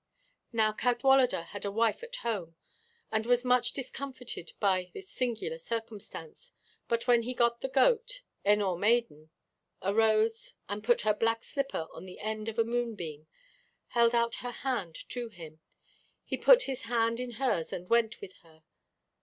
Now Cadwaladr had a wife at home, and was much discomfited by this singular circumstance; but when the goat yn awr maiden arose, and putting her black slipper on the end of a moonbeam, held out her hand to him, he put his hand in hers and went with her.